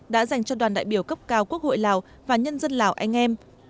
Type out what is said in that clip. đã dành cho đoàn đại biểu cấp cao quốc hội lào và nhân dân lào anh em